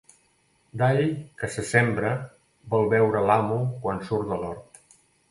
L'all que se sembra vol veure l'amo quan surt de l'hort.